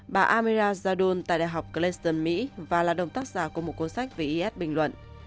bà amira zadon tại đại học cleston mỹ và là đồng tác giả của một cuốn sách về is bình luận